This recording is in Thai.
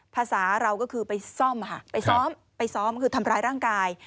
ภาษาเราก็คือไปซ่อมค่ะไปซ้อมไปซ้อมคือทำร้ายร่างกาย